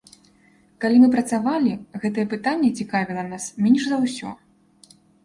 Калі мы працавалі, гэтае пытанне цікавіла нас менш за ўсё.